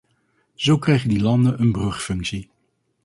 Zo krijgen die landen een brugfunctie.